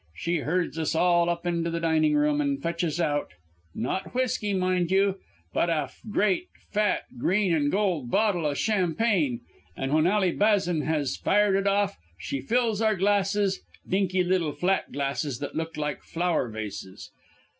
She herds us all up into the dining room and fetches out not whisky, mind you but a great, fat, green and gold bottle o' champagne, an' when Ally Bazan has fired it off, she fills our glasses dinky little flat glasses that looked like flower vases.